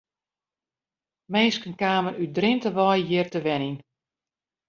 Minsken kamen út Drinte wei hjir te wenjen.